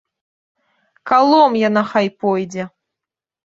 Калом яна хай пойдзе!